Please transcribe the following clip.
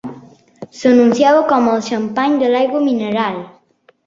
S'anunciava com el xampany de l'aigua mineral.